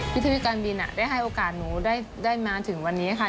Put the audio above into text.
พิธีการบินได้ให้โอกาสหนูได้มาถึงวันนี้ค่ะ